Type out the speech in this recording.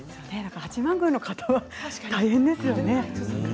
八幡宮の方は大変ですよね。